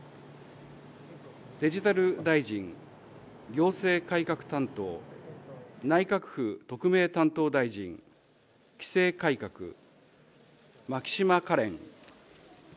デジタル大臣、行政改革担当、内閣府特命担当大臣、規制改革、牧島かれん。